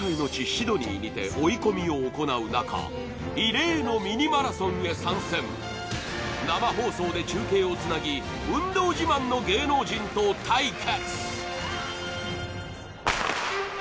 シドニーにて追い込みを行う中異例のミニマラソンへ参戦生放送で中継をつなぎ運動自慢の芸能人と対決